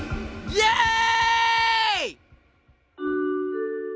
イエイ！